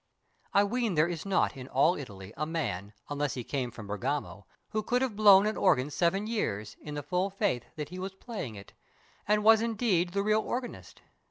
I ween there is not in all Italy A man—unless he came from Bergamo— Who could have blown an organ seven years In the full faith that he was playing it, And was indeed the real organist.